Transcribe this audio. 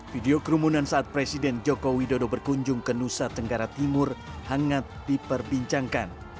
video kerumunan saat presiden joko widodo berkunjung ke nusa tenggara timur hangat diperbincangkan